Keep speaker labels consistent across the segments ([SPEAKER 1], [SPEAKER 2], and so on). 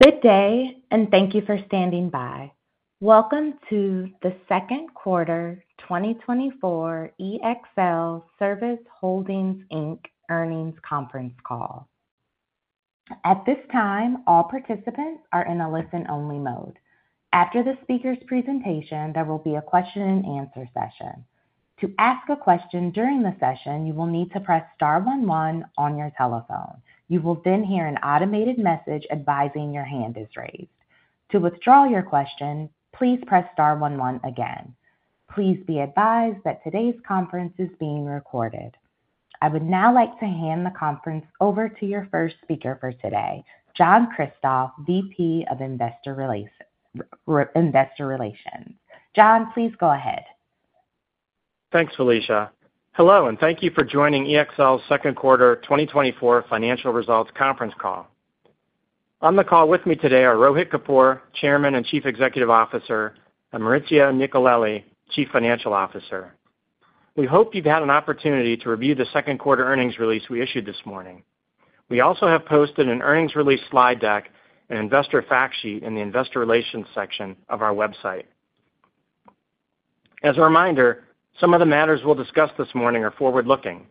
[SPEAKER 1] Good day, and thank you for standing by. Welcome to the Second Quarter 2024 EXL Service Holdings, Inc. earnings conference call. At this time, all participants are in a listen-only mode. After the speaker's presentation, there will be a question-and-answer session. To ask a question during the session, you will need to press star one one on your telephone. You will then hear an automated message advising your hand is raised. To withdraw your question, please press star one one again. Please be advised that today's conference is being recorded. I would now like to hand the conference over to your first speaker for today, John Kristoff, Vice President of Investor Relations. John, please go ahead.
[SPEAKER 2] Thanks, Felicia. Hello, and thank you for joining EXL's Second Quarter 2024 financial results conference call. On the call with me today are Rohit Kapoor, Chairman and Chief Executive Officer, and Maurizio Nicolelli, Chief Financial Officer. We hope you've had an opportunity to review the second quarter earnings release we issued this morning. We also have posted an earnings release slide deck and investor fact sheet in the investor relations section of our website. As a reminder, some of the matters we'll discuss this morning are forward-looking.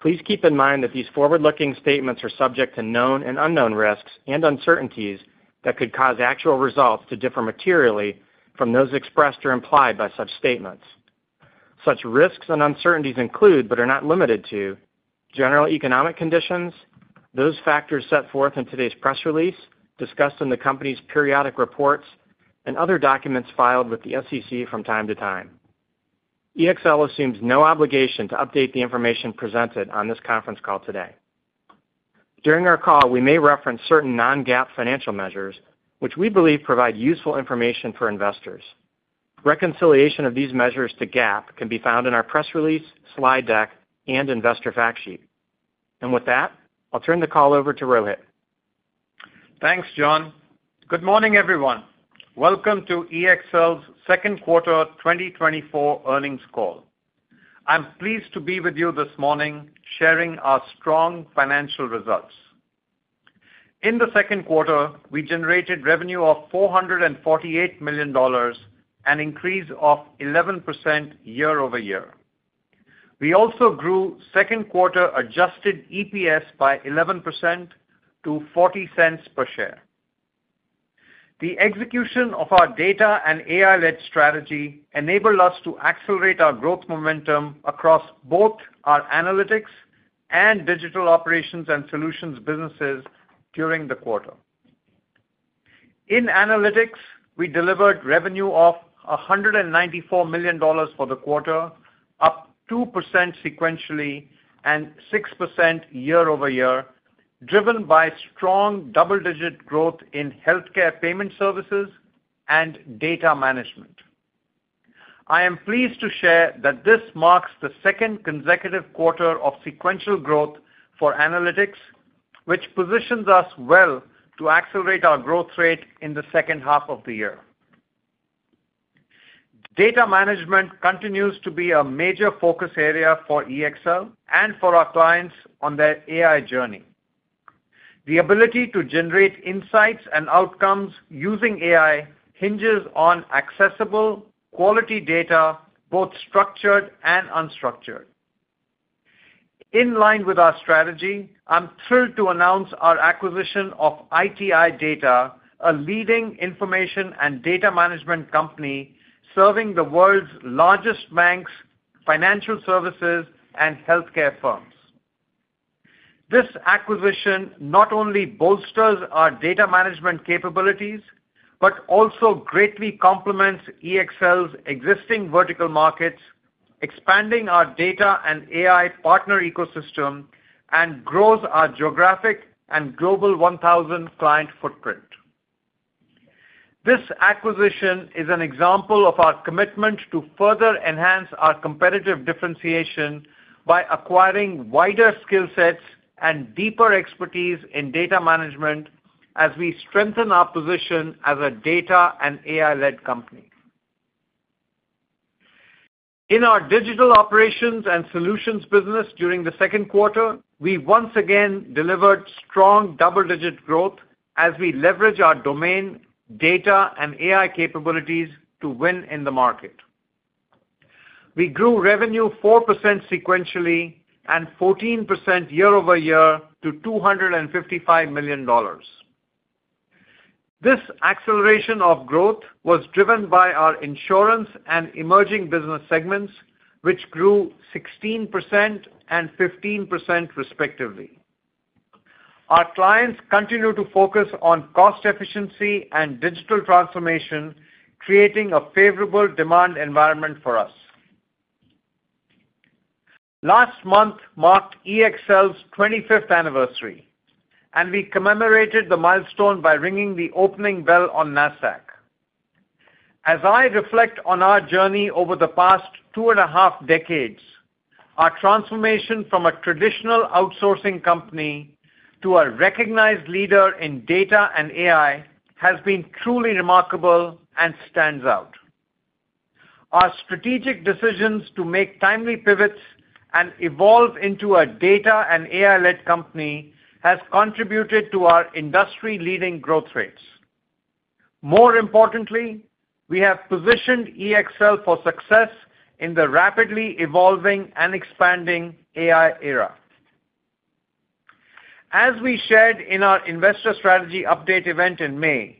[SPEAKER 2] Please keep in mind that these forward-looking statements are subject to known and unknown risks and uncertainties that could cause actual results to differ materially from those expressed or implied by such statements. Such risks and uncertainties include, but are not limited to, general economic conditions, those factors set forth in today's press release, discussed in the company's periodic reports, and other documents filed with the SEC from time to time. EXL assumes no obligation to update the information presented on this conference call today. During our call, we may reference certain non-GAAP financial measures, which we believe provide useful information for investors. Reconciliation of these measures to GAAP can be found in our press release, slide deck, and investor fact sheet. With that, I'll turn the call over to Rohit.
[SPEAKER 3] Thanks, John. Good morning, everyone. Welcome to EXL's Second Quarter 2024 earnings call. I'm pleased to be with you this morning, sharing our strong financial results. In the second quarter, we generated revenue of $448 million, an increase of 11% year-over-year. We also grew second quarter adjusted EPS by 11% to $0.40 per share. The execution of our data and AI-led strategy enabled us to accelerate our growth momentum across both our analytics and digital operations and solutions businesses during the quarter. In analytics, we delivered revenue of $194 million for the quarter, up 2% sequentially and 6% year-over-year, driven by strong double-digit growth in healthcare payment services and data management. I am pleased to share that this marks the second consecutive quarter of sequential growth for analytics, which positions us well to accelerate our growth rate in the second half of the year. Data management continues to be a major focus area for EXL and for our clients on their AI journey. The ability to generate insights and outcomes using AI hinges on accessible, quality data, both structured and unstructured. In line with our strategy, I'm thrilled to announce our acquisition of ITI Data, a leading information and data management company serving the world's largest banks, financial services, and healthcare firms. This acquisition not only bolsters our data management capabilities, but also greatly complements EXL's existing vertical markets, expanding our data and AI partner ecosystem, and grows our geographic and Global 1000 client footprint. This acquisition is an example of our commitment to further enhance our competitive differentiation by acquiring wider skill sets and deeper expertise in data management as we strengthen our position as a data and AI-led company. In our digital operations and solutions business during the second quarter, we once again delivered strong double-digit growth as we leverage our domain, data, and AI capabilities to win in the market. We grew revenue 4% sequentially and 14% year-over-year to $255 million. This acceleration of growth was driven by our insurance and emerging business segments, which grew 16% and 15%, respectively. Our clients continue to focus on cost efficiency and digital transformation, creating a favorable demand environment for us. Last month marked EXL's 25th anniversary, and we commemorated the milestone by ringing the opening bell on Nasdaq. As I reflect on our journey over the past two and a half decades, our transformation from a traditional outsourcing company to a recognized leader in data and AI has been truly remarkable and stands out. Our strategic decisions to make timely pivots and evolve into a data and AI-led company has contributed to our industry-leading growth rates. More importantly, we have positioned EXL for success in the rapidly evolving and expanding AI era. As we shared in our investor strategy update event in May,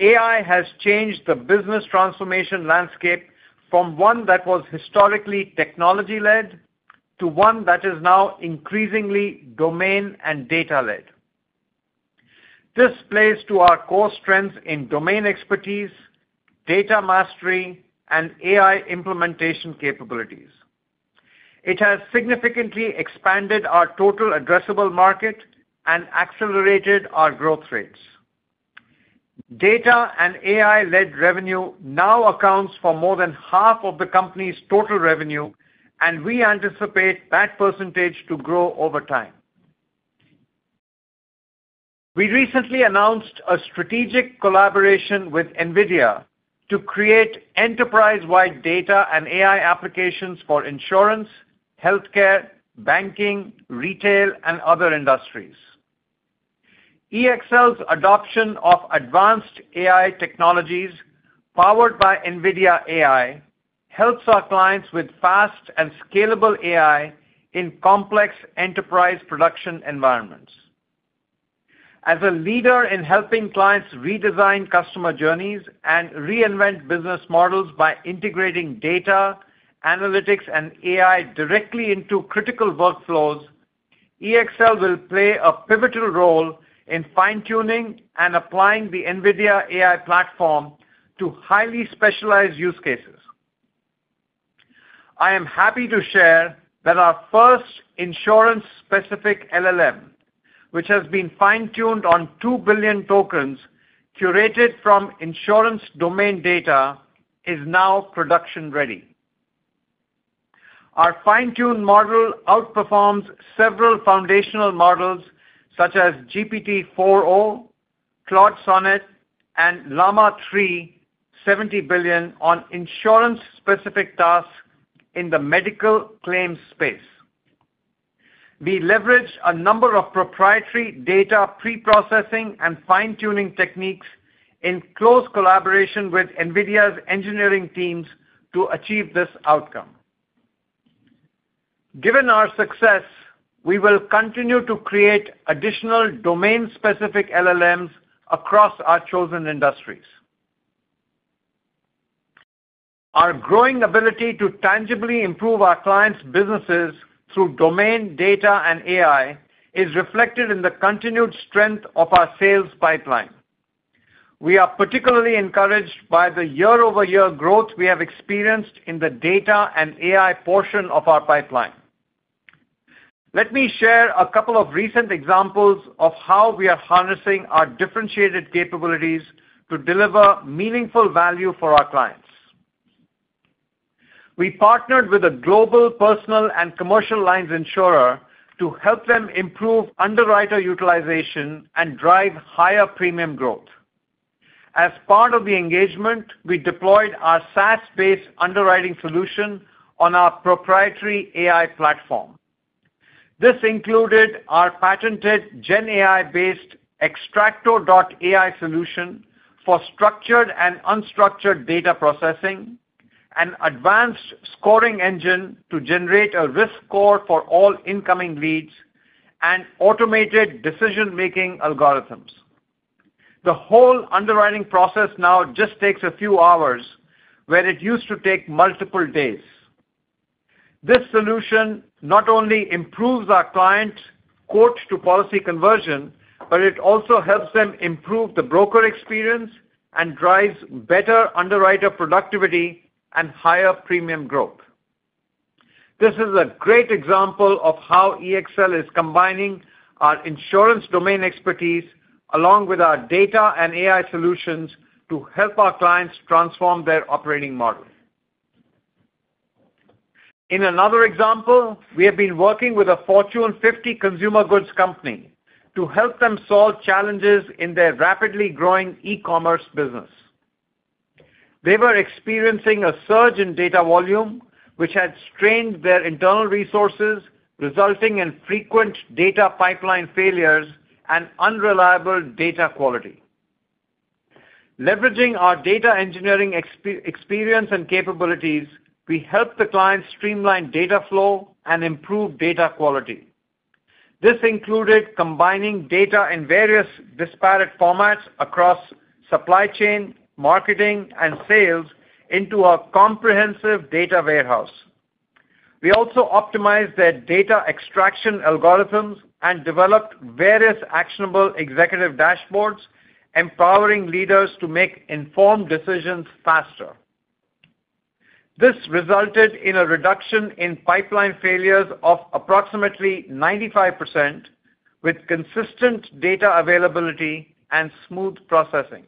[SPEAKER 3] AI has changed the business transformation landscape from one that was historically technology-led, to one that is now increasingly domain and data-led. This plays to our core strengths in domain expertise, data mastery, and AI implementation capabilities. It has significantly expanded our total addressable market and accelerated our growth rates. Data and AI-led revenue now accounts for more than half of the company's total revenue, and we anticipate that percentage to grow over time. We recently announced a strategic collaboration with NVIDIA to create enterprise-wide data and AI applications for insurance, healthcare, banking, retail, and other industries. EXL's adoption of advanced AI technologies, powered by NVIDIA AI, helps our clients with fast and scalable AI in complex enterprise production environments. As a leader in helping clients redesign customer journeys and reinvent business models by integrating data, analytics, and AI directly into critical workflows, EXL will play a pivotal role in fine-tuning and applying the NVIDIA AI platform to highly specialized use cases. I am happy to share that our first insurance-specific LLM, which has been fine-tuned on 2 billion tokens, curated from insurance domain data, is now production-ready. Our fine-tune model outperforms several foundational models, such as GPT-4o, Claude Sonnet, and Llama 3 70 billion on insurance-specific tasks in the medical claims space. We leveraged a number of proprietary data preprocessing and fine-tuning techniques in close collaboration with NVIDIA's engineering teams to achieve this outcome. Given our success, we will continue to create additional domain-specific LLMs across our chosen industries. Our growing ability to tangibly improve our clients' businesses through domain data and AI is reflected in the continued strength of our sales pipeline. We are particularly encouraged by the year-over-year growth we have experienced in the data and AI portion of our pipeline. Let me share a couple of recent examples of how we are harnessing our differentiated capabilities to deliver meaningful value for our clients. We partnered with a global personal and commercial lines insurer to help them improve underwriter utilization and drive higher premium growth. As part of the engagement, we deployed our SaaS-based underwriting solution on our proprietary AI platform. This included our patented GenAI-based ExTractor.AI solution for structured and unstructured data processing, an advanced scoring engine to generate a risk score for all incoming leads, and automated decision-making algorithms. The whole underwriting process now just takes a few hours, where it used to take multiple days. This solution not only improves our client's quote-to-policy conversion, but it also helps them improve the broker experience and drives better underwriter productivity and higher premium growth. This is a great example of how EXL is combining our insurance domain expertise, along with our data and AI solutions, to help our clients transform their operating model. In another example, we have been working with a Fortune 50 consumer goods company to help them solve challenges in their rapidly growing e-commerce business. They were experiencing a surge in data volume, which had strained their internal resources, resulting in frequent data pipeline failures and unreliable data quality. Leveraging our data engineering experience and capabilities, we helped the client streamline data flow and improve data quality. This included combining data in various disparate formats across supply chain, marketing, and sales into a comprehensive data warehouse. We also optimized their data extraction algorithms and developed various actionable executive dashboards, empowering leaders to make informed decisions faster. This resulted in a reduction in pipeline failures of approximately 95%, with consistent data availability and smooth processing.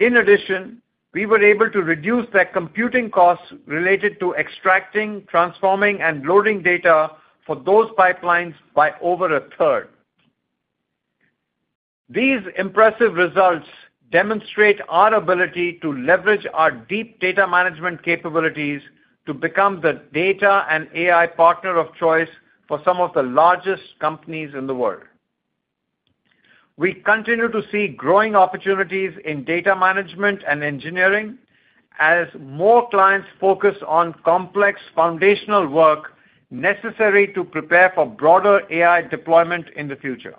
[SPEAKER 3] In addition, we were able to reduce their computing costs related to extracting, transforming, and loading data for those pipelines by over a third. These impressive results demonstrate our ability to leverage our deep data management capabilities to become the data and AI partner of choice for some of the largest companies in the world. We continue to see growing opportunities in data management and engineering as more clients focus on complex foundational work necessary to prepare for broader AI deployment in the future.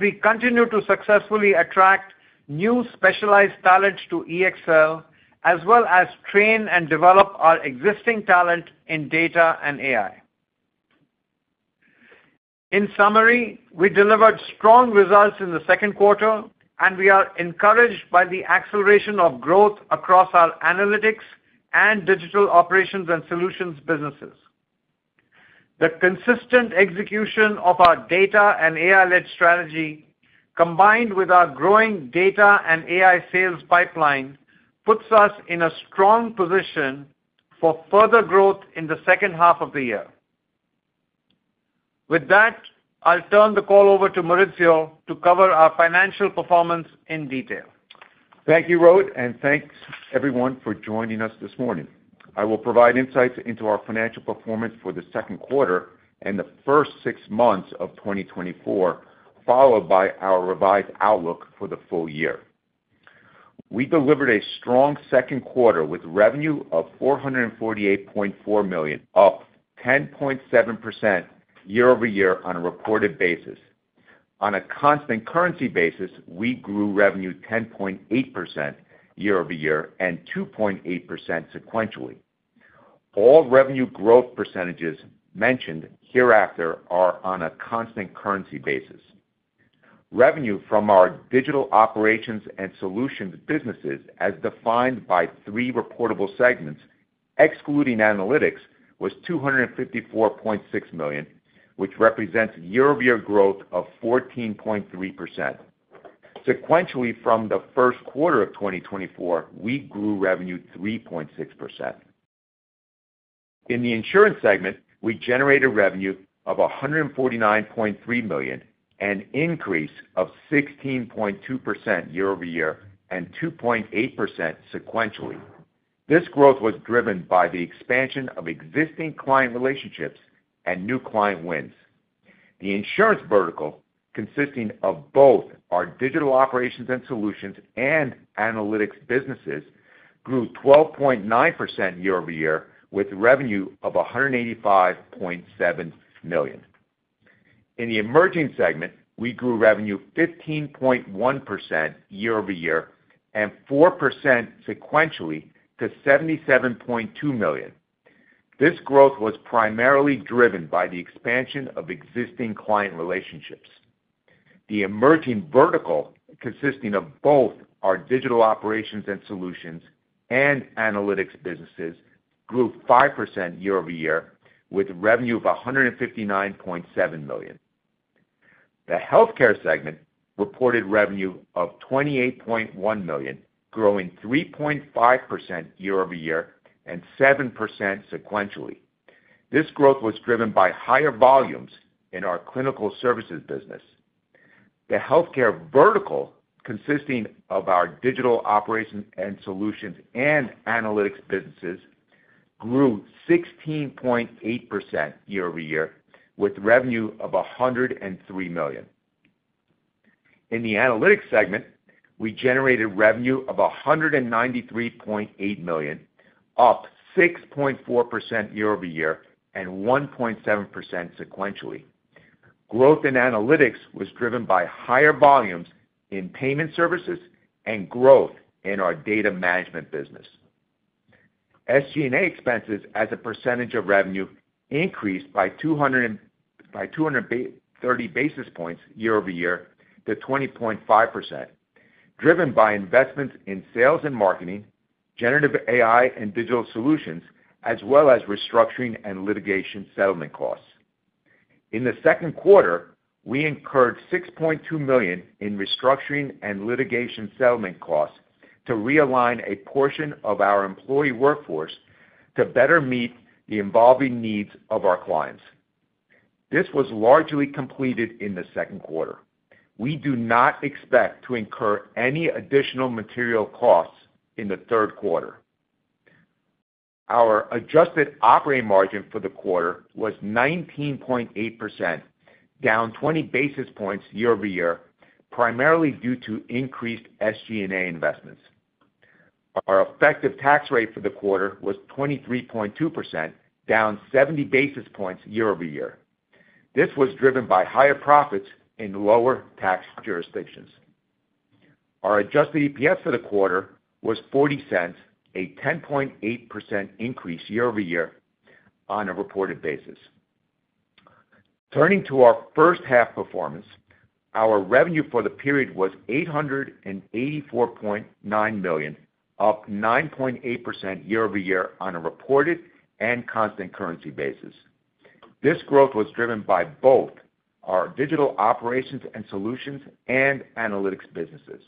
[SPEAKER 3] We continue to successfully attract new specialized talent to EXL, as well as train and develop our existing talent in data and AI. In summary, we delivered strong results in the second quarter, and we are encouraged by the acceleration of growth across our analytics and digital operations and solutions businesses. The consistent execution of our data and AI-led strategy, combined with our growing data and AI sales pipeline, puts us in a strong position for further growth in the second half of the year. With that, I'll turn the call over to Maurizio to cover our financial performance in detail.
[SPEAKER 4] Thank you, Rohit, and thanks, everyone, for joining us this morning. I will provide insights into our financial performance for the second quarter and the first six months of 2024, followed by our revised outlook for the full year. We delivered a strong second quarter with revenue of $448.4 million, up 10.7% year-over-year on a reported basis. On a constant currency basis, we grew revenue 10.8% year-over-year and 2.8% sequentially. All revenue growth percentages mentioned hereafter are on a constant currency basis. Revenue from our digital operations and solutions businesses, as defined by three reportable segments, excluding analytics, was $254.6 million, which represents year-over-year growth of 14.3%. Sequentially, from the first quarter of 2024, we grew revenue 3.6%. In the insurance segment, we generated revenue of $149.3 million, an increase of 16.2% year-over-year and 2.8% sequentially. This growth was driven by the expansion of existing client relationships and new client wins. The insurance vertical, consisting of both our digital operations and solutions and analytics businesses, grew 12.9% year-over-year, with revenue of $185.7 million. In the emerging segment, we grew revenue 15.1% year-over-year and 4% sequentially to $77.2 million. This growth was primarily driven by the expansion of existing client relationships. The emerging vertical, consisting of both our digital operations and solutions and analytics businesses, grew 5% year-over-year, with revenue of $159.7 million. The healthcare segment reported revenue of $28.1 million, growing 3.5% year-over-year and 7% sequentially. This growth was driven by higher volumes in our clinical services business. The healthcare vertical, consisting of our digital operations and solutions and analytics businesses, grew 16.8% year-over-year, with revenue of $103 million. In the analytics segment, we generated revenue of $193.8 million, up 6.4% year-over-year and 1.7% sequentially. Growth in analytics was driven by higher volumes in payment services and growth in our data management business. SG&A expenses as a percentage of revenue increased by 230 basis points year-over-year to 20.5%, driven by investments in sales and marketing, generative AI and digital solutions, as well as restructuring and litigation settlement costs. In the second quarter, we incurred $6.2 million in restructuring and litigation settlement costs to realign a portion of our employee workforce to better meet the evolving needs of our clients. This was largely completed in the second quarter. We do not expect to incur any additional material costs in the third quarter. Our adjusted operating margin for the quarter was 19.8%, down 20 basis points year-over-year, primarily due to increased SG&A investments. Our effective tax rate for the quarter was 23.2%, down 70 basis points year-over-year. This was driven by higher profits in lower tax jurisdictions. Our adjusted EPS for the quarter was $0.40, a 10.8% increase year-over-year on a reported basis. Turning to our first half performance, our revenue for the period was $884.9 million, up 9.8% year-over-year on a reported and constant currency basis. This growth was driven by both our digital operations and solutions and analytics businesses....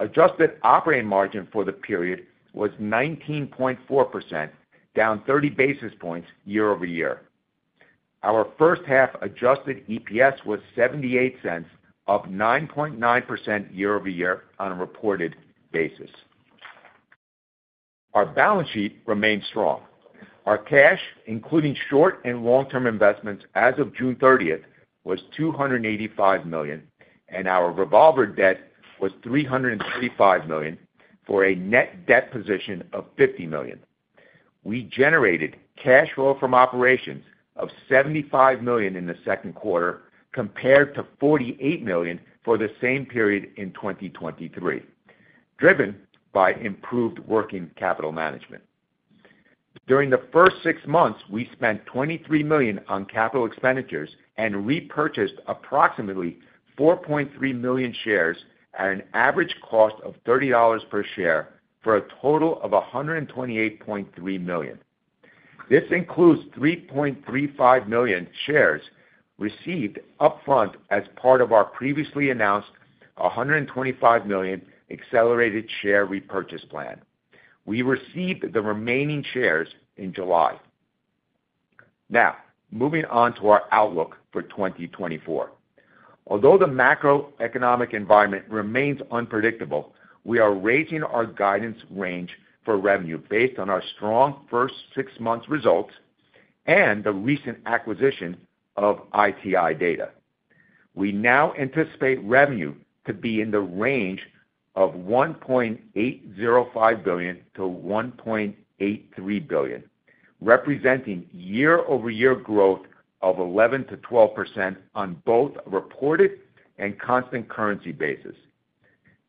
[SPEAKER 4] Adjusted operating margin for the period was 19.4%, down 30 basis points year-over-year. Our first half adjusted EPS was $0.78, up 9.9% year-over-year on a reported basis. Our balance sheet remains strong. Our cash, including short- and long-term investments as of June 30th, was $285 million, and our revolver debt was $335 million, for a net debt position of $50 million. We generated cash flow from operations of $75 million in the second quarter, compared to $48 million for the same period in 2023, driven by improved working capital management. During the first six months, we spent $23 million on capital expenditures and repurchased approximately 4.3 million shares at an average cost of $30 per share, for a total of $128.3 million. This includes 3.35 million shares received upfront as part of our previously announced $125 million accelerated share repurchase plan. We received the remaining shares in July. Now, moving on to our outlook for 2024. Although the macroeconomic environment remains unpredictable, we are raising our guidance range for revenue based on our strong first six months results and the recent acquisition of ITI Data. We now anticipate revenue to be in the range of $1.805 billion-$1.83 billion, representing year-over-year growth of 11%-12% on both reported and constant currency basis.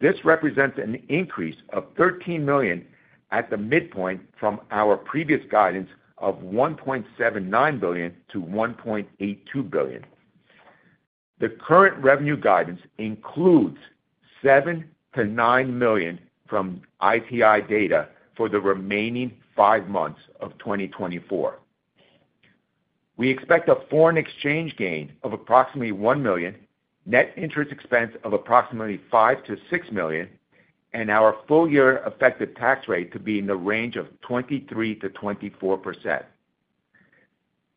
[SPEAKER 4] This represents an increase of $13 million at the midpoint from our previous guidance of $1.79 billion-$1.82 billion. The current revenue guidance includes $7 million-$9 million from ITI Data for the remaining five months of 2024. We expect a foreign exchange gain of approximately $1 million, net interest expense of approximately $5 million-$6 million, and our full year effective tax rate to be in the range of 23%-24%.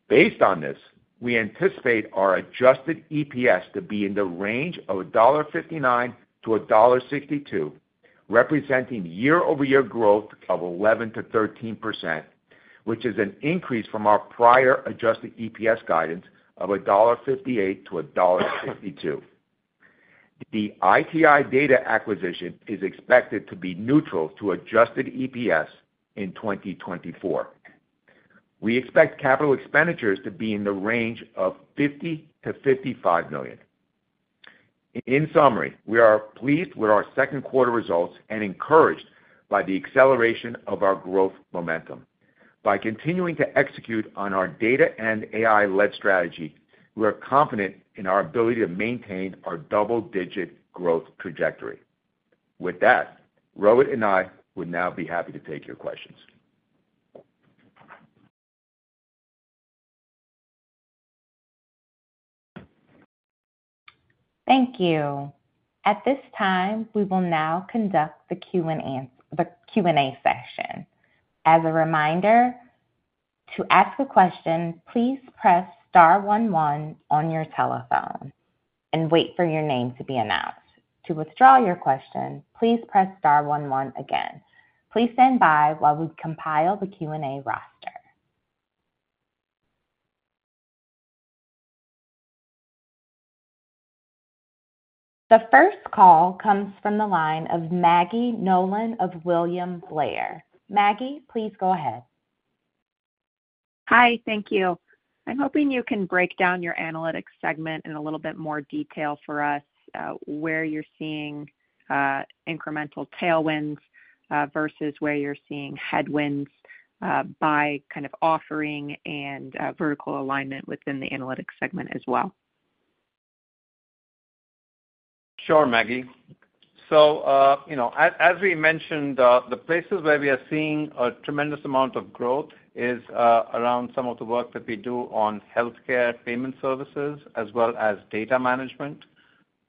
[SPEAKER 4] Based on this, we anticipate our adjusted EPS to be in the range of $1.59-$1.62, representing year-over-year growth of 11%-13%, which is an increase from our prior adjusted EPS guidance of $1.58-$1.62. The ITI Data acquisition is expected to be neutral to adjusted EPS in 2024. We expect capital expenditures to be in the range of $50 million-$55 million. In summary, we are pleased with our second quarter results and encouraged by the acceleration of our growth momentum. By continuing to execute on our data and AI-led strategy, we are confident in our ability to maintain our double-digit growth trajectory. With that, Rohit and I would now be happy to take your questions.
[SPEAKER 1] Thank you. At this time, we will now conduct the Q&A session. As a reminder, to ask a question, please press star one one on your telephone and wait for your name to be announced. To withdraw your question, please press star one one again. Please stand by while we compile the Q&A roster. The first call comes from the line of Maggie Nolan of William Blair. Maggie, please go ahead.
[SPEAKER 5] Hi, thank you. I'm hoping you can break down your analytics segment in a little bit more detail for us, where you're seeing incremental tailwinds versus where you're seeing headwinds by kind of offering and vertical alignment within the analytics segment as well.
[SPEAKER 3] Sure, Maggie. So, you know, as we mentioned, the places where we are seeing a tremendous amount of growth is around some of the work that we do on healthcare payment services, as well as data management.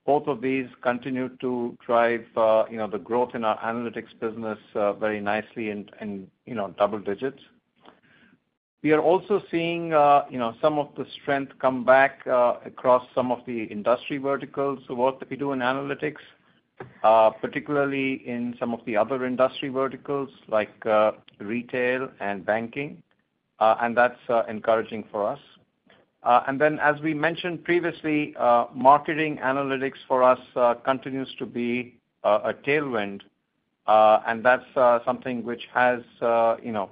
[SPEAKER 3] Both of these continue to drive, you know, the growth in our analytics business very nicely and, you know, double digits. We are also seeing, you know, some of the strength come back across some of the industry verticals, the work that we do in analytics, particularly in some of the other industry verticals like retail and banking, and that's encouraging for us. And then, as we mentioned previously, marketing analytics for us continues to be a tailwind, and that's something which has, you know,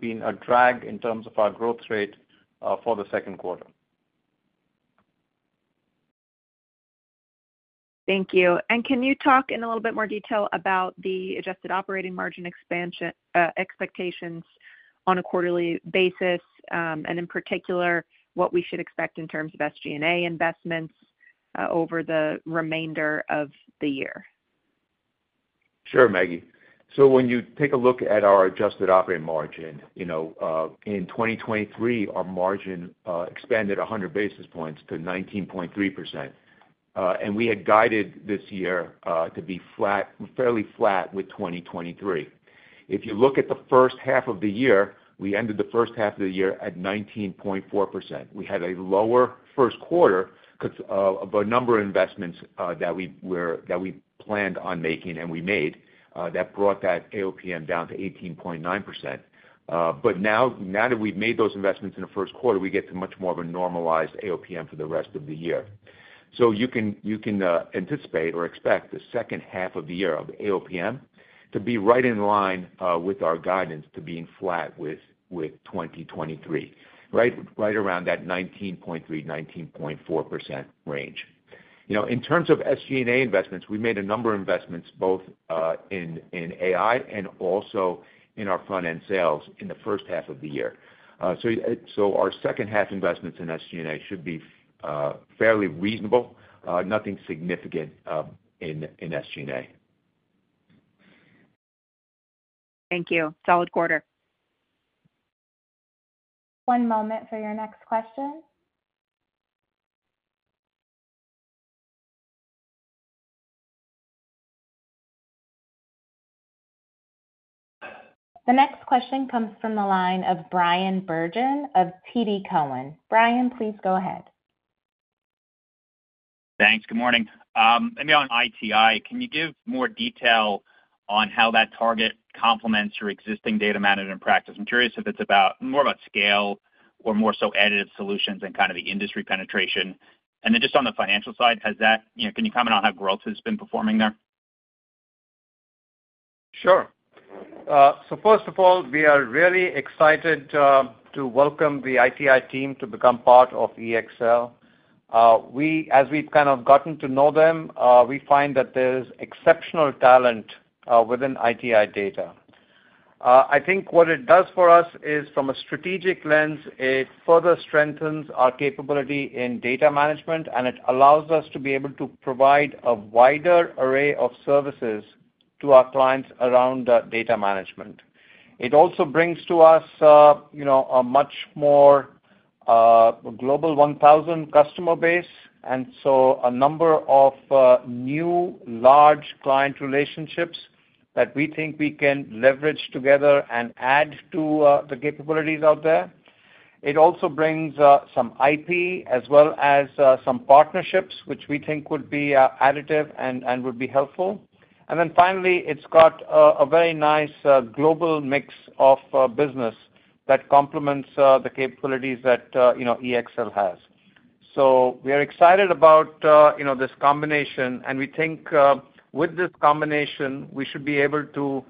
[SPEAKER 3] been a drag in terms of our growth rate for the second quarter.
[SPEAKER 5] Thank you. Can you talk in a little bit more detail about the adjusted operating margin expansion expectations on a quarterly basis, and in particular, what we should expect in terms of SG&A investments over the remainder of the year?
[SPEAKER 4] Sure, Maggie. So when you take a look at our adjusted operating margin, you know, in 2023, our margin expanded 100 basis points to 19.3%. And we had guided this year to be flat, fairly flat with 2023. If you look at the first half of the year, we ended the first half of the year at 19.4%. We had a lower first quarter because of a number of investments that we planned on making, and we made that brought that AOPM down to 18.9%. But now, now that we've made those investments in the first quarter, we get to much more of a normalized AOPM for the rest of the year. So you can anticipate or expect the second half of the year of AOPM to be right in line with our guidance to being flat with 2023, right around that 19.3%-19.4% range. You know, in terms of SG&A investments, we made a number of investments, both in AI and also in our front-end sales in the first half of the year. So our second-half investments in SG&A should be fairly reasonable, nothing significant in SG&A.
[SPEAKER 5] Thank you. Solid quarter.
[SPEAKER 1] One moment for your next question. The next question comes from the line of Bryan Bergin of TD Cowen. Brian, please go ahead.
[SPEAKER 6] Thanks. Good morning. Maybe on ITI, can you give more detail on how that target complements your existing data management practice? I'm curious if it's about, more about scale or more so additive solutions and kind of the industry penetration. And then just on the financial side, has that, you know, can you comment on how growth has been performing there?
[SPEAKER 3] Sure. So first of all, we are really excited to welcome the ITI team to become part of EXL. As we've kind of gotten to know them, we find that there's exceptional talent within ITI Data. I think what it does for us is, from a strategic lens, it further strengthens our capability in data management, and it allows us to be able to provide a wider array of services to our clients around data management. It also brings to us, you know, a much more global 1,000 customer base, and so a number of new large client relationships that we think we can leverage together and add to the capabilities out there. It also brings some IP as well as some partnerships, which we think would be additive and would be helpful. And then finally, it's got a very nice global mix of business that complements the capabilities that, you know, EXL has. So we are excited about, you know, this combination, and we think, um, with this combination, we should be able to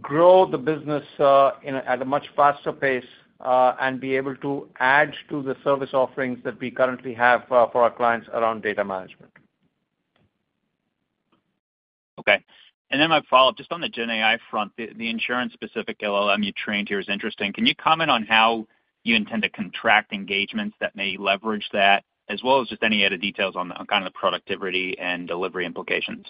[SPEAKER 3] grow the business, um, at a much faster pace, um, and be able to add to the service offerings that we currently have for our clients around data management.
[SPEAKER 6] Okay. And then my follow-up, just on the GenAI front, the insurance-specific LLM you trained here is interesting. Can you comment on how you intend to contract engagements that may leverage that, as well as just any other details on the kind of productivity and delivery implications?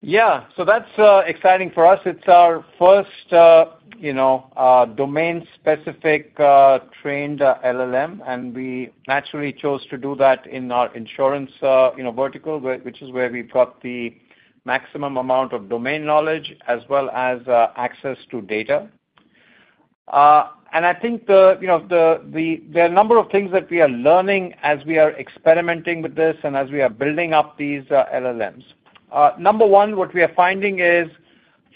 [SPEAKER 3] Yeah. So that's exciting for us. It's our first, um, you know, domain-specific trained LLM, and we naturally chose to do that in our insurance, you know, vertical, where, which is where we've got the maximum amount of domain knowledge as well as access to data. Um, And I think, um, you know, there are a number of things that we are learning as we are experimenting with this and as we are building up these LLMs. Number one, what we are finding is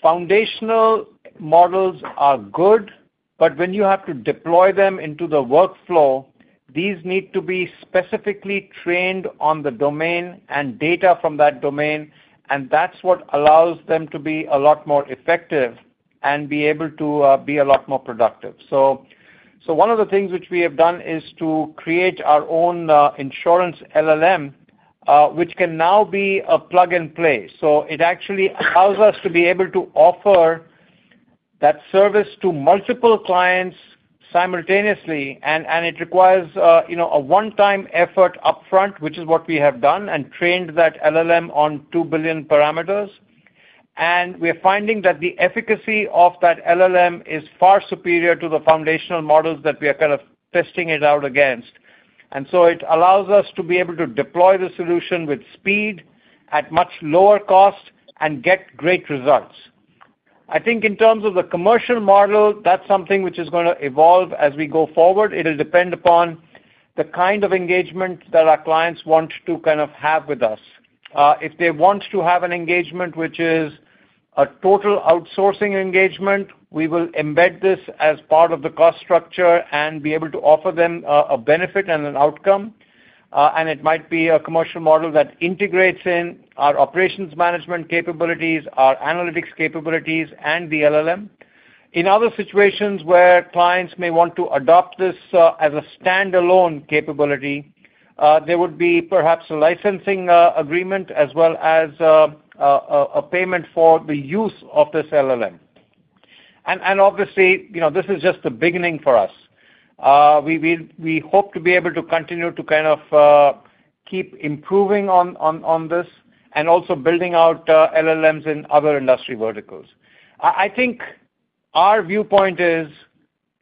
[SPEAKER 3] foundational models are good, but when you have to deploy them into the workflow, these need to be specifically trained on the domain and data from that domain, and that's what allows them to be a lot more effective and be able to, um, be a lot more productive. So, one of the things which we have done is to create our own insurance LLM, um, which can now be a plug-and-play. So it actually allows us to be able to offer that service to multiple clients simultaneously, and it requires, um, you know, a one-time effort upfront, which is what we have done, and trained that LLM on 2 billion parameters. And we are finding that the efficacy of that LLM is far superior to the foundational models that we are kind of testing it out against. And so it allows us to be able to deploy the solution with speed, at much lower cost, and get great results. I think in terms of the commercial model, that's something which is gonna evolve as we go forward. It'll depend upon the kind of engagement that our clients want to kind of have with us. Um, if they want to have an engagement which is a total outsourcing engagement, we will embed this as part of the cost structure and be able to offer them, um, a benefit and an outcome, and it might be a commercial model that integrates in our operations management capabilities, our analytics capabilities, and the LLM. In other situations where clients may want to adopt this as a standalone capability, um, there would be perhaps a licensing agreement as well as, um, a payment for the use of this LLM. And obviously, you know, this is just the beginning for us. Um, we hope to be able to continue to kind of, um, keep improving on this and also building out LLMs in other industry verticals. I think our viewpoint is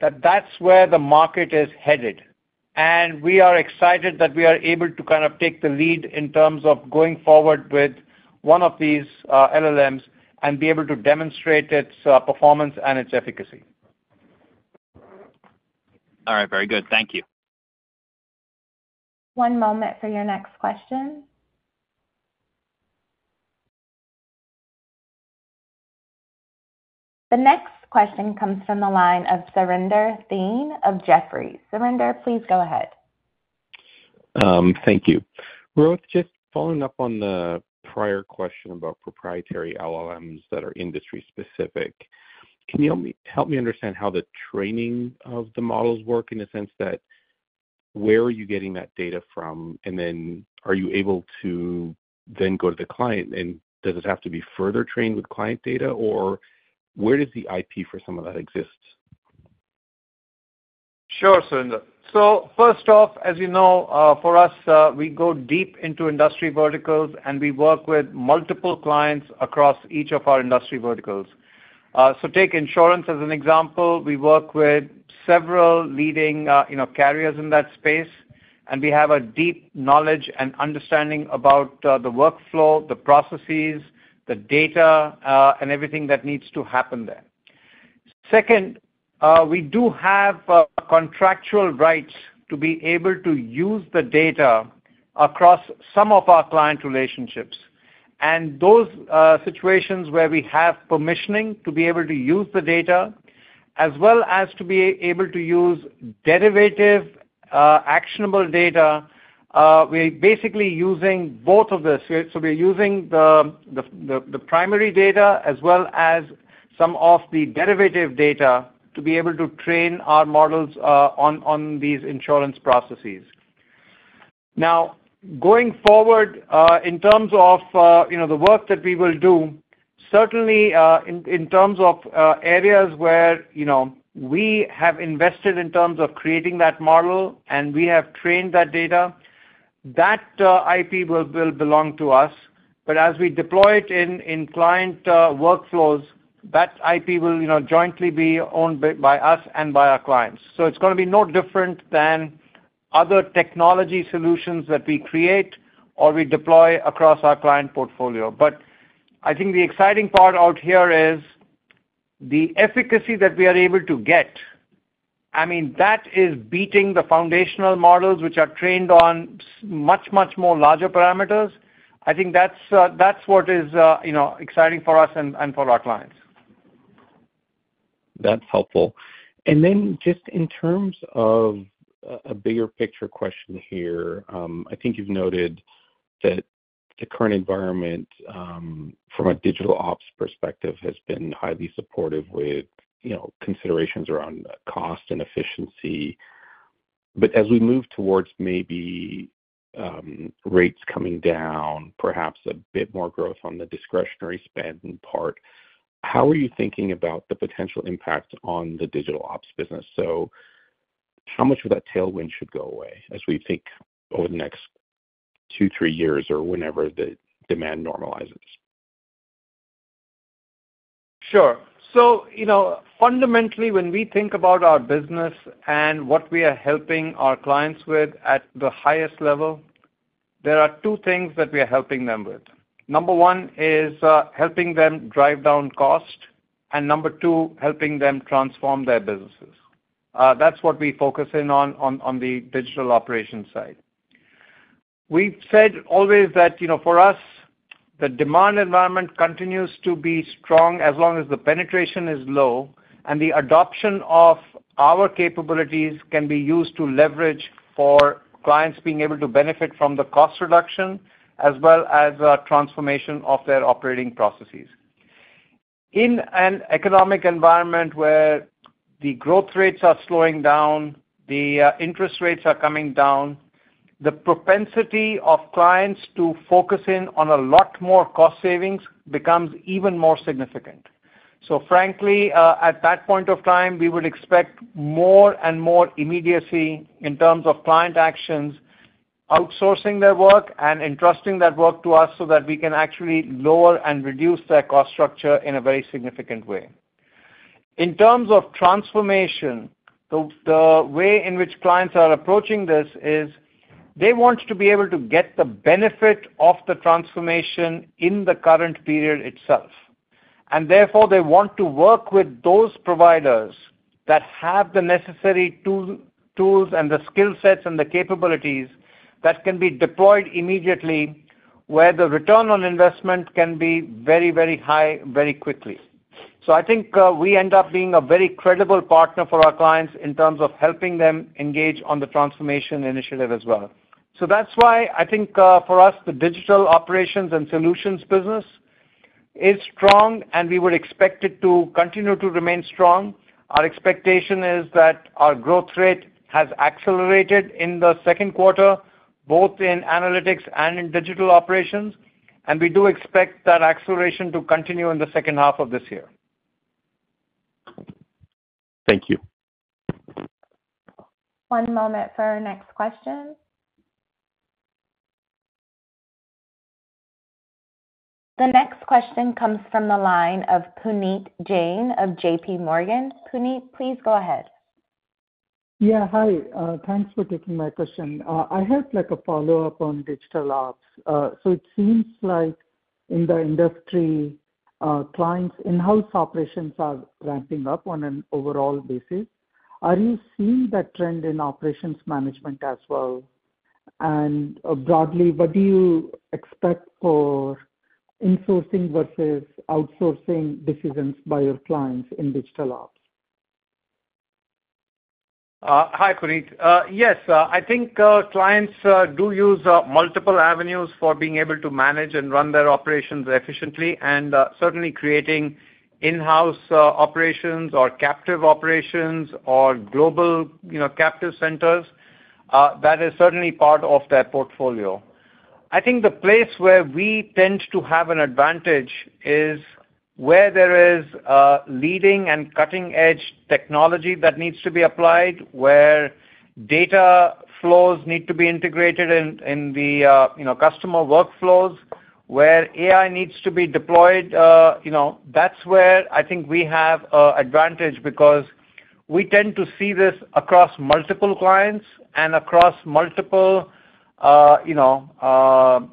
[SPEAKER 3] that that's where the market is headed, and we are excited that we are able to kind of take the lead in terms of going forward with one of these LLMs and be able to demonstrate its performance and its efficacy.
[SPEAKER 6] All right, very good. Thank you.
[SPEAKER 1] One moment for your next question. The next question comes from the line of Surinder Thind of Jefferies. Surinder, please go ahead.
[SPEAKER 7] Thank you. Rohit, just following up on the prior question about proprietary LLMs that are industry-specific, can you help me, help me understand how the training of the models work in the sense that where are you getting that data from? And then are you able to then go to the client, and does it have to be further trained with client data, or where does the IP for some of that exist?
[SPEAKER 3] Sure, Surinder. So first off, as you know, um, for us, we go deep into industry verticals, and we work with multiple clients across each of our industry verticals. So take insurance as an example. We work with several leading, um, you know, carriers in that space, and we have a deep knowledge and understanding about the workflow, the processes, the data, and everything that needs to happen there. Second, we do have, um, contractual rights to be able to use the data across some of our client relationships. And those, um, situations where we have permissioning to be able to use the data, as well as to be able to use derivative, um, actionable data, um, we're basically using both of this. So we're using, um, the primary data as well as some of the derivative data to be able to train our models, um, on these insurance processes. Now, going forward, um, in terms of, um, you know, the work that we will do, certainly, um, in terms of, um, areas where, you know, we have invested in terms of creating that model, and we have trained that data, that IP will belong to us. But as we deploy it in client, um, workflows, that IP will, you know, jointly be owned by us and by our clients. So it's gonna be no different than other technology solutions that we create or we deploy across our client portfolio. But I think the exciting part out here is the efficacy that we are able to get. I mean, that is beating the foundational models, which are trained on much, much more larger parameters. I think that's, um, what is, you know, exciting for us and for our clients.
[SPEAKER 7] That's helpful. Then just in terms of a bigger picture question here, I think you've noted that the current environment from a digital ops perspective has been highly supportive with, you know, considerations around cost and efficiency. But as we move towards maybe rates coming down, perhaps a bit more growth on the discretionary spend in part, how are you thinking about the potential impact on the digital ops business? So how much of that tailwind should go away, as we think over the next two, three years or whenever the demand normalizes?
[SPEAKER 3] Sure. So, you know, fundamentally, when we think about our business and what we are helping our clients with at the highest level, there are two things that we are helping them with. Number one is helping them drive down cost, and number two, helping them transform their businesses. Um, that's what we focus in on the digital operations side. We've said always that, you know, for us, the demand environment continues to be strong as long as the penetration is low and the adoption of our capabilities can be used to leverage for clients being able to benefit from the cost reduction, as well as transformation of their operating processes. In an economic environment where the growth rates are slowing down, the interest rates are coming down, the propensity of clients to focus in on a lot more cost savings becomes even more significant. So frankly, at that point of time, we would expect more and more immediacy in terms of client actions, outsourcing their work and entrusting that work to us, so that we can actually lower and reduce their cost structure in a very significant way. In terms of transformation, the way in which clients are approaching this is, they want to be able to get the benefit of the transformation in the current period itself. And therefore, they want to work with those providers that have the necessary tools and the skill sets and the capabilities that can be deployed immediately, where the return on investment can be very, very high, very quickly. So I think, we end up being a very credible partner for our clients in terms of helping them engage on the transformation initiative as well. So that's why I think, um, for us, the digital operations and solutions business is strong, and we would expect it to continue to remain strong. Our expectation is that our growth rate has accelerated in the second quarter, both in analytics and in digital operations and we do expect that acceleration to continue in the second half of this year.
[SPEAKER 7] Thank you.
[SPEAKER 1] One moment for our next question. The next question comes from the line of Puneet Jain of JPMorgan. Puneet, please go ahead.
[SPEAKER 8] Yeah, hi, thanks for taking my question. I have like a follow-up on digital ops. So it seems like in the industry, um, clients, in-house operations are ramping up on an overall basis. Are you seeing that trend in operations management as well? And, broadly, what do you expect for insourcing versus outsourcing decisions by your clients in digital ops?
[SPEAKER 3] Hi, Puneet. Um, yes, I think clients, um, do use multiple avenues for being able to manage and run their operations efficiently, and certainly creating in-house operations or captive operations or global, you know, captive centers, that is certainly part of their portfolio. I think the place where we tend to have an advantage is where there is, um, leading and cutting-edge technology that needs to be applied, where data flows need to be integrated in the, um, you know, customer workflows, where AI needs to be deployed. Um, you know, that's where I think we have an advantage, because we tend to see this across multiple clients and across multiple, um, you know, um,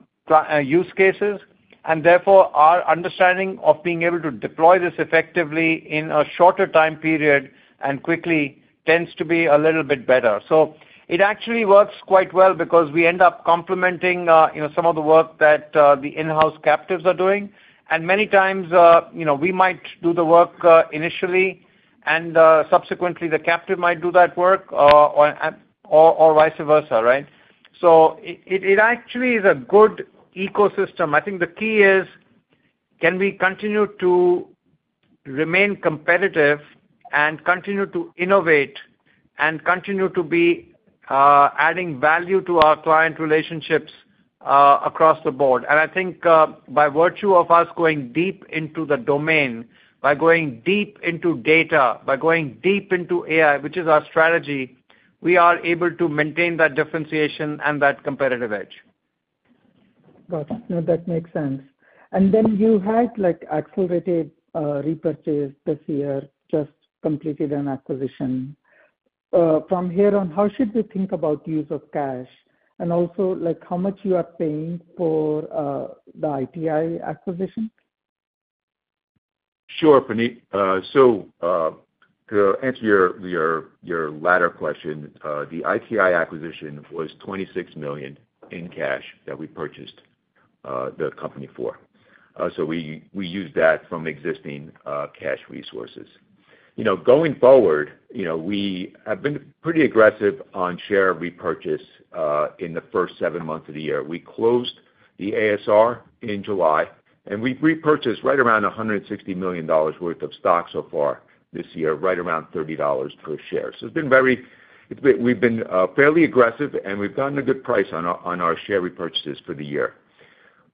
[SPEAKER 3] use cases. And therefore, our understanding of being able to deploy this effectively in a shorter time period and quickly tends to be a little bit better. So it actually works quite well because we end up complementing, um, you know, some of the work that, the in-house captives are doing. And many times, um, you know, we might do the work, um, initially, and, um, subsequently, the captive might do that work, um, or vice versa, right? So it actually is a good ecosystem. I think the key is: can we continue to remain competitive and continue to innovate and continue to be, um, adding value to our client relationships, um, across the board? I think, by virtue of us going deep into the domain, by going deep into data, by going deep into AI, which is our strategy, we are able to maintain that differentiation and that competitive edge.
[SPEAKER 8] Got it. No, that makes sense. And then you had, like, accelerated repurchase this year, just completed an acquisition. Um, from here on, how should we think about the use of cash? And also, like, how much you are paying for, um, the ITI acquisition?
[SPEAKER 4] Sure, Puneet. So, um, to answer your latter question, the ITI acquisition was $26 million in cash that we purchased the, um, company for. So we, we used that from existing cash resources. You know, going forward, you know, we have been pretty aggressive on share repurchase, um, in the first seven months of the year. We closed the ASR in July, and we've repurchased right around $160 million worth of stock so far this year, right around $30 per share. So it's been very, it's been, we've been fairly aggressive, and we've gotten a good price on our share repurchases for the year.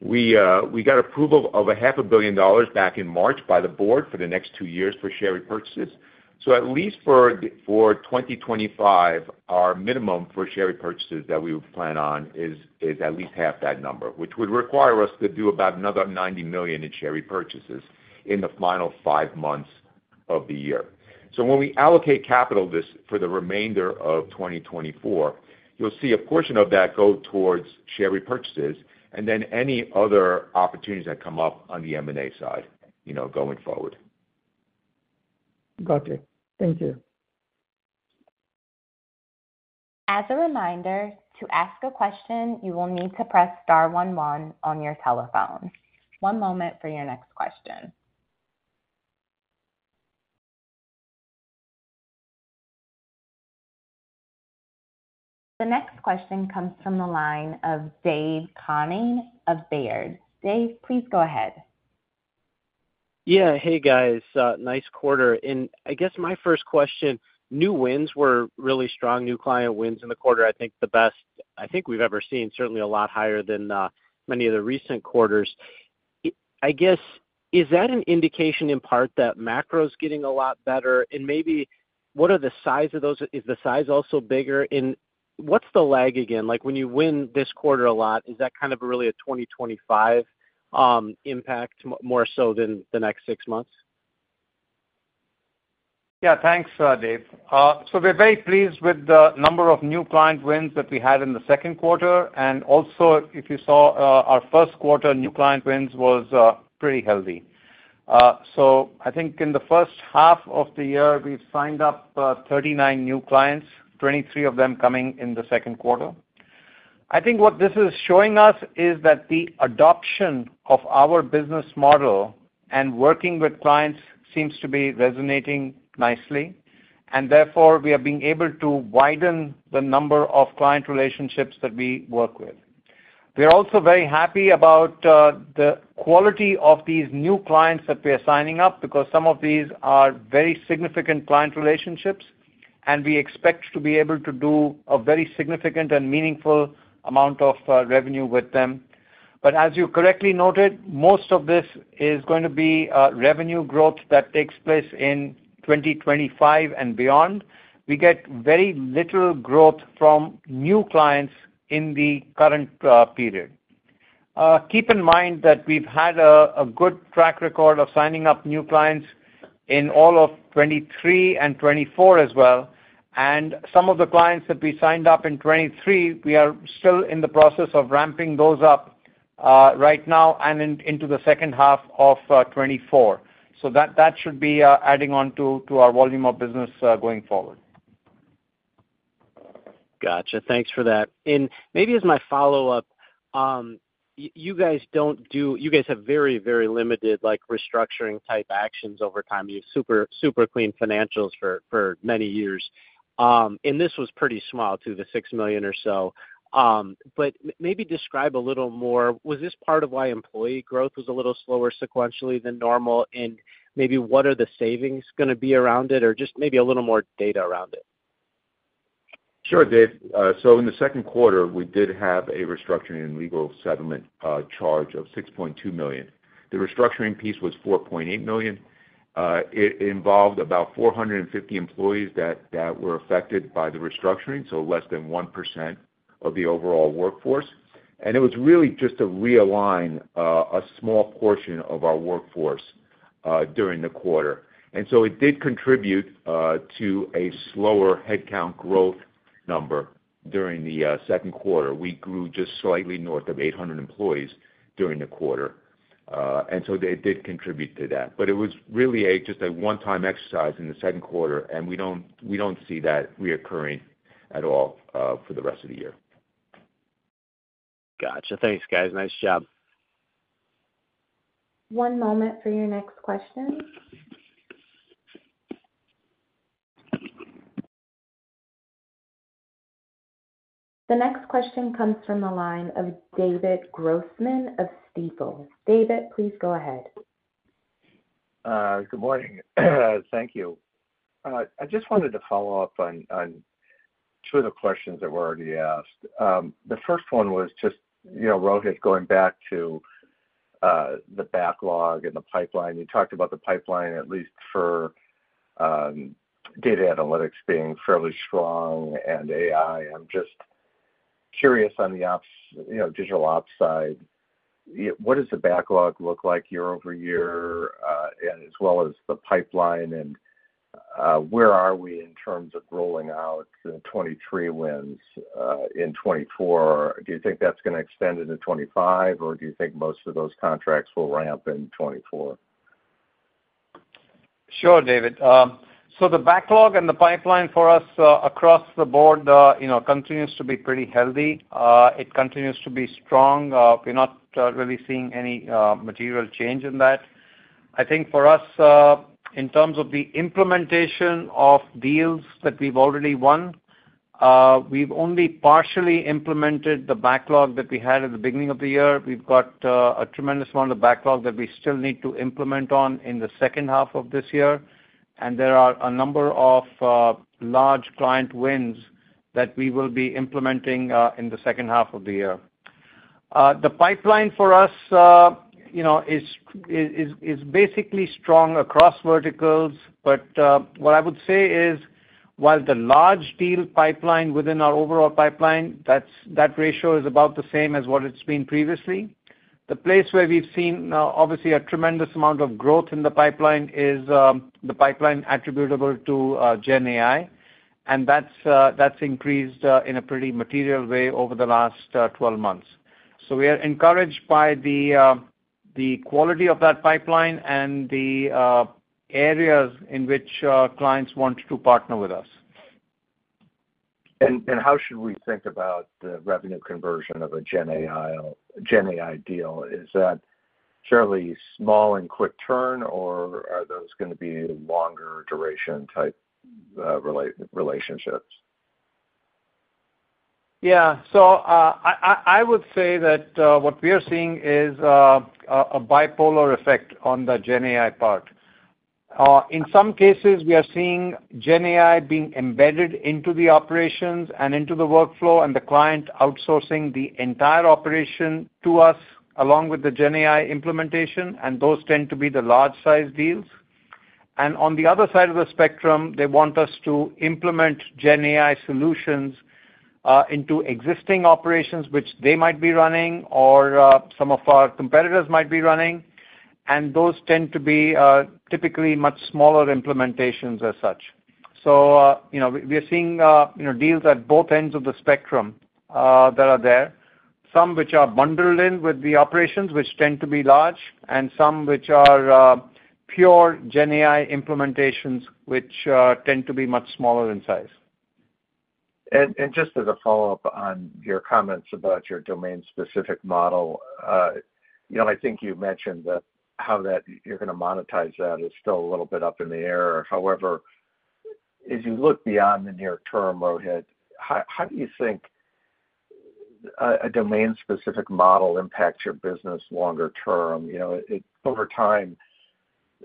[SPEAKER 4] We, um, we got approval of $500 million back in March by the board for the next two years for share repurchases. So at least for 2025, our minimum for share repurchases that we plan on is at least half that number, which would require us to do about another $90 million in share repurchases in the final five months of the year. So when we allocate capital this, for the remainder of 2024, you'll see a portion of that go towards share repurchases and then any other opportunities that come up on the M&A side, you know, going forward.
[SPEAKER 8] Got you. Thank you.
[SPEAKER 1] As a reminder, to ask a question, you will need to press star one one on your telephone. One moment for your next question. The next question comes from the line of Dave Koning of Baird. Dave, please go ahead.
[SPEAKER 9] Yeah. Hey, guys, nice quarter. And I guess my first question, new wins were really strong, new client wins in the quarter, I think the best I think we've ever seen, certainly a lot higher than many of the recent quarters. I guess, is that an indication in part that macro is getting a lot better? And maybe what are the size of those? Is the size also bigger? And what's the lag again? Like, when you win this quarter a lot, is that kind of really a 2025, um, impact, more so than the next six months?
[SPEAKER 3] Yeah. Thanks, um, Dave. Um, so we're very pleased with the number of new client wins that we had in the second quarter, and also, if you saw, um, our first quarter, new client wins was, um, pretty healthy. So I think in the first half of the year, we've signed up, um, 39 new clients, 23 of them coming in the second quarter. I think what this is showing us is that the adoption of our business model and working with clients seems to be resonating nicely, and therefore, we are being able to widen the number of client relationships that we work with. We are also very happy about, the quality of these new clients that we are signing up, because some of these are very significant client relationships. And we expect to be able to do a very significant and meaningful amount of revenue with them. But as you correctly noted, most of this is going to be a revenue growth that takes place in 2025 and beyond. We get very little growth from new clients in the current, um, period. Um, keep in mind that we've had a good track record of signing up new clients in all of 2023 and 2024 as well, and some of the clients that we signed up in 2023, we are still in the process of ramping those up, um, right now and into the second half of 2024. So that should be adding on to our volume of business going forward.
[SPEAKER 9] Gotcha. Thanks for that. And maybe as my follow-up, um, you guys don't do, you guys have very, very limited, like, restructuring type actions over time. You have super, super clean financials for many years. Um, annd this was pretty small too, the $6 million or so. Um, but maybe describe a little more, was this part of why employee growth was a little slower sequentially than normal? And maybe what are the savings gonna be around it? Or just maybe a little more data around it.
[SPEAKER 4] Sure, Dave. So in the second quarter, we did have a restructuring and legal settlement, um, charge of $6.2 million. The restructuring piece was $4.8 million. Um, it involved about 450 employees that, that were affected by the restructuring, so less than 1% of the overall workforce. And it was really just to realign a small portion of our workforce, um, during the quarter. And so it did contribute, um, to a slower headcount growth number during the second quarter. We grew just slightly north of 800 employees during the quarter. And so they did contribute to that. But it was really just a one-time exercise in the second quarter, and we don't see that recurring at all, um, for the rest of the year.
[SPEAKER 9] Gotcha. Thanks, guys. Nice job.
[SPEAKER 1] One moment for your next question. The next question comes from the line of David Grossman of Stifel. David, please go ahead.
[SPEAKER 10] Um, good morning. Thank you. I just wanted to follow up on, on two of the questions that were already asked. The first one was just, you know, Rohit, going back to, um, the backlog and the pipeline. You talked about the pipeline, at least for, um, data analytics being fairly strong and AI. I'm just curious on the ops, you know, digital ops side, what does the backlog look like year-over-year, and as well as the pipeline? And, um, where are we in terms of rolling out the 2023 wins, um, in 2024? Do you think that's gonna extend into 2025, or do you think most of those contracts will ramp in 2024?
[SPEAKER 3] Sure, David. Um, so the backlog and the pipeline for us across the board, um, you know, continues to be pretty healthy. Um, it continues to be strong. We're not really seeing any, um, material change in that. I think for us, um, in terms of the implementation of deals that we've already won, um, we've only partially implemented the backlog that we had at the beginning of the year. We've got a tremendous amount of backlog that we still need to implement on in the second half of this year, and there are a number of, um, large client wins that we will be implementing in the second half of the year. The pipeline for us, um, you know, is basically strong across verticals, but, um, what I would say is, while the large deal pipeline within our overall pipeline, that ratio is about the same as what it's been previously. The place where we've seen obviously a tremendous amount of growth in the pipeline is the pipeline attributable to Gen AI, and that's increased in a pretty material way over the last 12 months. So we are encouraged by the quality of that pipeline and the, um, areas in which, um, clients want to partner with us.
[SPEAKER 10] How should we think about the revenue conversion of a GenAI, GenAI deal? Is that fairly small and quick turn, or are those gonna be longer duration type, um, relationships?
[SPEAKER 3] Yeah. So, I would say that what we are seeing is a, um, bipolar effect on the Gen AI part. In some cases, we are seeing Gen AI being embedded into the operations and into the workflow, and the client outsourcing the entire operation to us, along with the Gen AI implementation, and those tend to be the large size deals. And on the other side of the spectrum, they want us to implement Gen AI solutions into existing operations, which they might be running or some of our competitors might be running, and those tend to be, um, typically much smaller implementations as such. So, you know, we are seeing, um, you know deals at both ends of the spectrum that are there. Some which are bundled in with the operations, which tend to be large, and some which are, um, pure GenAI implementations, which tend to be much smaller in size.
[SPEAKER 10] Just as a follow-up on your comments about your domain-specific model, um, you know, I think you mentioned that how that you're gonna monetize that is still a little bit up in the air. However, as you look beyond the near term, Rohit, how do you think a domain-specific model impacts your business longer term. You know, over time,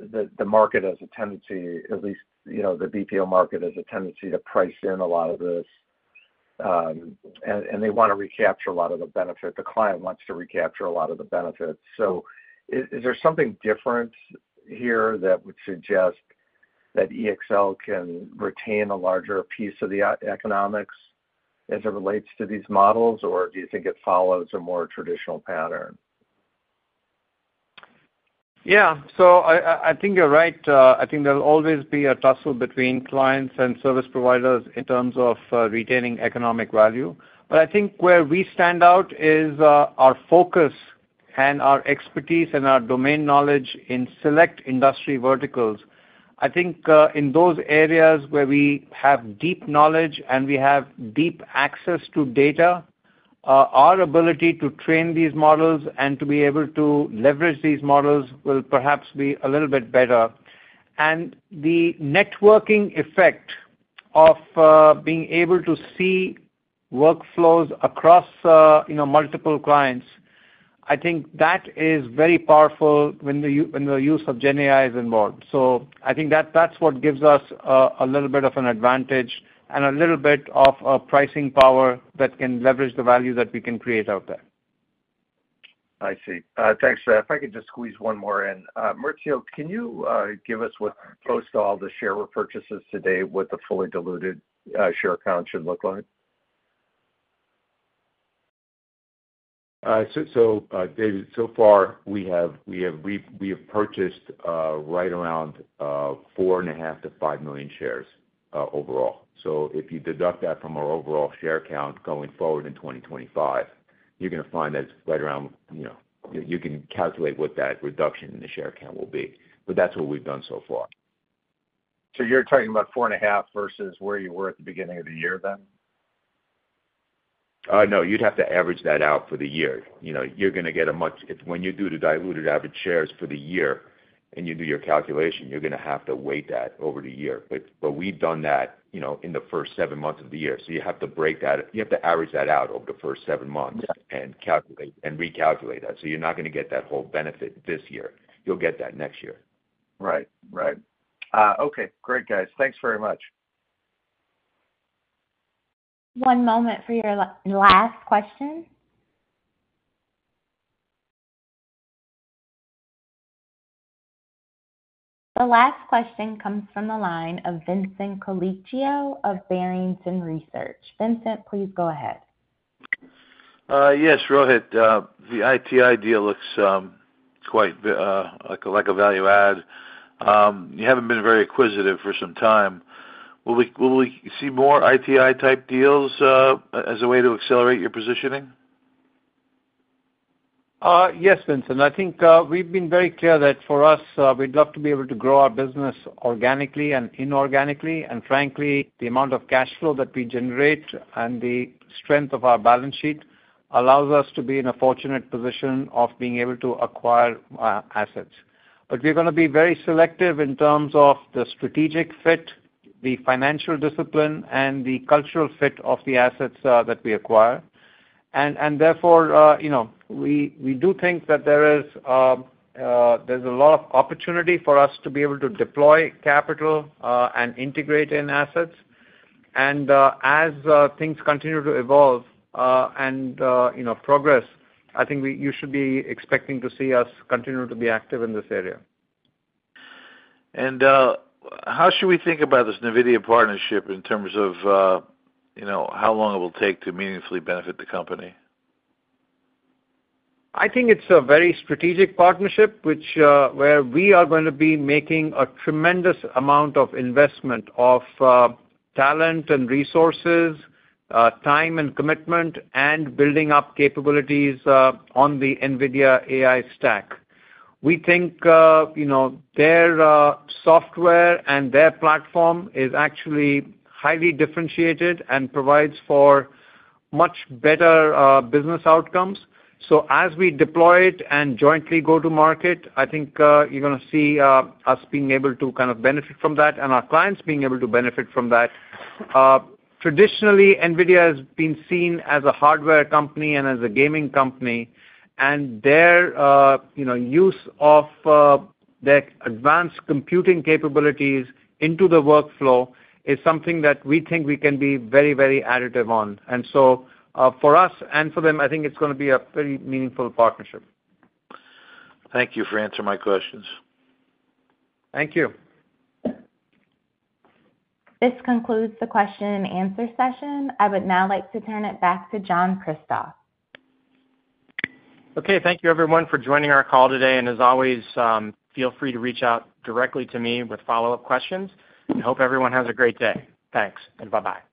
[SPEAKER 10] the market has a tendency, at least, you know, the BPO market has a tendency to price in a lot of this, um, and they wanna recapture a lot of the benefit. The client wants to recapture a lot of the benefits. So is there something different here that would suggest that EXL can retain a larger piece of the economics as it relates to these models? Or do you think it follows a more traditional pattern?
[SPEAKER 3] Yeah. So I think you're right. I think there'll always be a tussle between clients and service providers in terms of retaining economic value. But I think where we stand out is our focus and our expertise and our domain knowledge in select industry verticals. I think, um, in those areas where we have deep knowledge and we have deep access to data our ability to train these models and to be able to leverage these models will perhaps be a little bit better. And the networking effect of being able to see workflows across, um, you know multiple clients, I think that is very powerful when the use of GenAI is involved. So, I think that's what gives us, um, a little bit of an advantage and a little bit of a pricing power that can leverage the value that we can create out there.
[SPEAKER 10] I see. Thanks. If I could just squeeze one more in. Maurizio, can you give us what, post all the share repurchases today, what the fully diluted share count should look like?
[SPEAKER 4] So, David, so far, we have purchased right around 4.5-5 million shares overall. So if you deduct that from our overall share count going forward in 2025, you're gonna find that it's right around, you know, you can calculate what that reduction in the share count will be, but that's what we've done so far.
[SPEAKER 10] You're talking about 4.5 versus where you were at the beginning of the year, then?
[SPEAKER 4] No, you'd have to average that out for the year. You know, you're gonna get a much. It's when you do the diluted average shares for the year and you do your calculation, you're gonna have to weight that over the year. But, we've done that, you know, in the first seven months of the year. So you have to break that. You have to average that out over the first seven months and calculate, and recalculate that. So you're not gonna get that whole benefit this year. You'll get that next year.
[SPEAKER 10] Right. Right. Okay, great, guys. Thanks very much.
[SPEAKER 1] One moment for your last question. The last question comes from the line of Vincent Colicchio of Barrington Research. Vincent, please go ahead.
[SPEAKER 11] Yes, Rohit. The ITI deal looks, um, quite like a value add. You haven't been very acquisitive for some time. Will we see more ITI-type deals, um, as a way to accelerate your positioning?
[SPEAKER 3] Yes, Vincent. I think, um, we've been very clear that for us, we'd love to be able to grow our business organically and inorganically. And frankly, the amount of cash flow that we generate and the strength of our balance sheet allows us to be in a fortunate position of being able to acquire, assets. But we're gonna be very selective in terms of the strategic fit, the financial discipline, and the cultural fit of the assets, that we acquire. And, therefore, um, you know, we do think that there is, um, there's a lot of opportunity for us to be able to deploy capital, and integrate in assets. And, as things continue to evolve, um, and, um, you know, progress, I think we, you should be expecting to see us continue to be active in this area.
[SPEAKER 11] How should we think about this NVIDIA partnership in terms of, um, you know, how long it will take to meaningfully benefit the company?
[SPEAKER 3] I think it's a very strategic partnership, which, um, where we are gonna be making a tremendous amount of investment of, um, talent and resources, time and commitment, and building up capabilities, on the NVIDIA AI stack. We think, um, you know, their, um, software and their platform is actually highly differentiated and provides for much better, um, business outcomes. So as we deploy it and jointly go to market, I think, um, you're gonna see, um, us being able to kind of benefit from that and our clients being able to benefit from that. Traditionally, NVIDIA has been seen as a hardware company and as a gaming company, and their, um, you know, use of, um, their advanced computing capabilities into the workflow is something that we think we can be very, very additive on. And so, for us and for them, I think it's gonna be a very meaningful partnership.
[SPEAKER 11] Thank you for answering my questions.
[SPEAKER 3] Thank you.
[SPEAKER 1] This concludes the question and answer session. I would now like to turn it back to John Kristoff.
[SPEAKER 2] Okay, thank you, everyone, for joining our call today. As always, um, feel free to reach out directly to me with follow-up questions. I hope everyone has a great day. Thanks, and bye-bye.